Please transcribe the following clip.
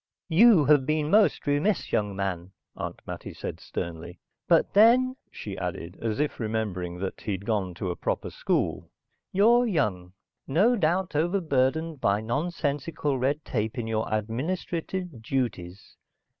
"You have been most remiss, young man," Aunt Mattie said sternly. "But then," she added, as if remembering that he had gone to a proper school, "you're young. No doubt overburdened by nonsensical red tape in your administrative duties.